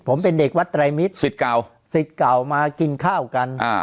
ผมเป็นเด็กวัดไตรมิตรสิทธิ์เก่าสิทธิ์เก่ามากินข้าวกันอ่า